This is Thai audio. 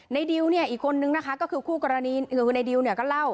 ในดิวนี่อีกคนนึงนะคะก็คือในดิวก็เล่า